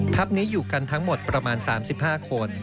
นี้อยู่กันทั้งหมดประมาณ๓๕คน